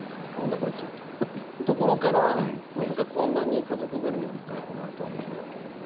こいつみたいなところからまさかこんなに家族ぐるみで仲よくなるとは思わなかったです。